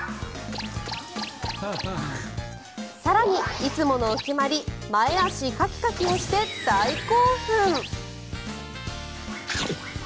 更に、いつものお決まり前足カキカキをして大興奮。